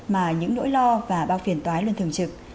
mà những nỗi lo và bao phiền tói luôn thường trực